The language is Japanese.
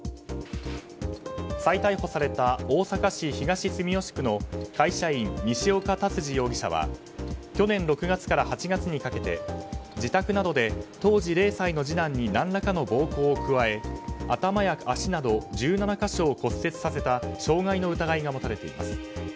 再逮捕された大阪市東住吉区の会社員、西岡竜司容疑者は去年６月から８月にかけて自宅などで、当時０歳の次男に何らかの暴行を加え頭や足など１７か所を骨折させた傷害の疑いが持たれています。